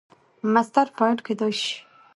مصدر فاعل کېدای سي.